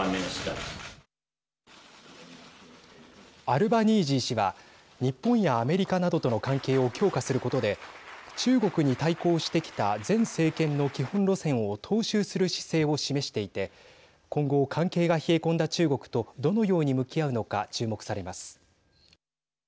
アルバニージー氏は日本やアメリカなどとの関係を強化することで中国に対抗してきた前政権の基本路線を踏襲する姿勢を示していて今後、関係が冷え込んだ中国とどのように向き合うのか注目されます。